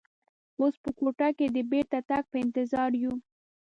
اوس په کوټه کې د بېرته تګ په انتظار یو.